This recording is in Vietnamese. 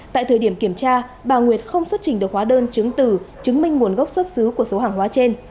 tại thời điểm kiểm tra bà nguyệt không xuất trình được hóa đơn chứng từ chứng minh nguồn gốc xuất xứ của số hàng hóa trên